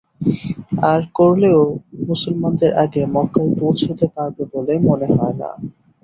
আর করলেও মুসলমানদের আগে মক্কায় পৌঁছতে পারব বলে মনে হয় না।